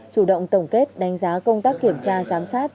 chủ động tổng kết đánh giá công tác kiểm tra giám sát